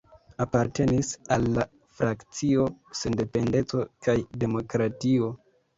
Apartenis al la Frakcio Sendependeco kaj Demokratio.